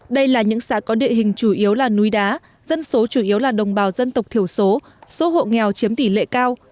đây là những xã có địa hình chủ yếu là núi đá dân số chủ yếu là đồng bào dân tộc thiểu số số hộ nghèo chiếm tỷ lệ cao